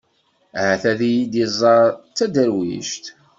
Ahat ad iyi-d-iẓer d taderwict.